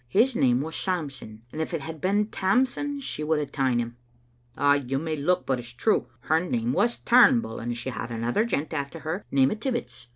His name was Samson, and if it had been Tamson she would hae ta'en him. Ay, you may look, but it's true. Her name was TumbuU, and she had another gent after her, name o' Tibbets.